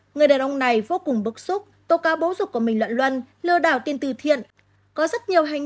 người đàn ông này vô cùng bức xúc tố cáo bố dục của mình luận luân lừa đảo tiên tư thiện